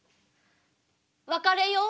別れよう。